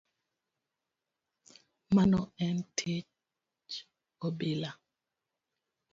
Mano en tij obila.